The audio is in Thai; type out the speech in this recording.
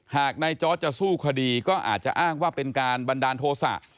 หากนายจอร์ดจะสู้คดีก็อาจจะอ้างว่าเป็นการบันดาลโทษะ